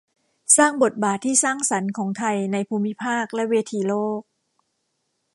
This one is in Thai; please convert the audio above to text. สร้างบทบาทที่สร้างสรรค์ของไทยในภูมิภาคและเวทีโลก